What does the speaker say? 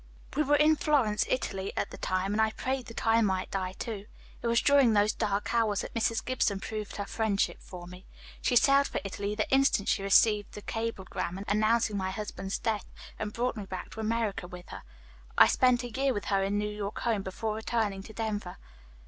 "We were in Florence, Italy, at the time and I prayed that I might die, too. It was during those dark hours that Mrs. Gibson proved her friendship for me. She sailed for Italy the instant she received the cablegram announcing my husband's death, and brought me back to America with her. I spent a year with her in her New York home, before returning to Denver.